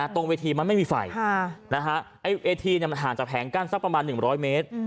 ตรงเวทีมันไม่มีไฟเอทีมันห่างจากแผงกั้นสักประมาณ๑๐๐เมตร